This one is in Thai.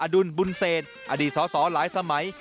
ดุลบุญเศษอดีตสอสอหลายสมัย